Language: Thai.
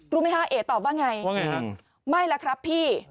รู้ไหมคะเอ๋ตอบว่าไงว่าไงฮะไม่แล้วครับพี่